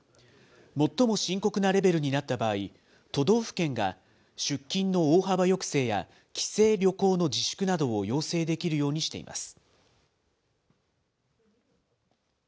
最も深刻なレベルになった場合、都道府県が出勤の大幅抑制や、帰省、旅行の自粛などを要請できるようにしています。